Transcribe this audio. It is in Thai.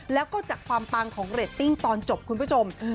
แล้วก็จากความปังของเรตติ้งตอนจบคุณผู้ชม